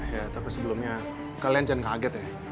ya tapi sebelumnya kalian jangan kaget ya